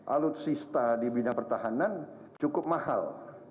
alutsista di bidang pertahanan cukup mahal